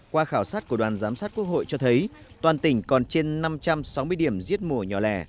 qua khảo sát của đoàn giám sát quốc hội cho thấy toàn tỉnh còn trên năm trăm sáu mươi điểm giết mổ nhỏ lẻ